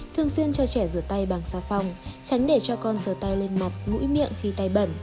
thường xuyên cho trẻ rửa tay bằng xa phòng tránh để cho con rửa tay lên mọt ngũi miệng khi tay bẩn